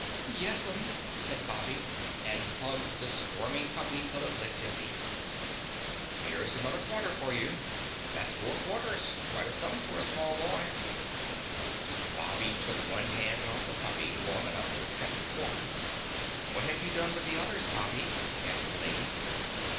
"Yes'm," said Bobby and hugged the squirming puppy till it licked his ear. "Here's another quarter for you. That's four quarters quite a sum for a small boy." Bobby took one hand off the puppy long enough to accept the quarter. "What have you done with the others, Bobby?" asked the lady.